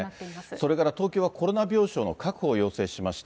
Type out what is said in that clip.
それから東京はコロナ病床の確保を要請しました。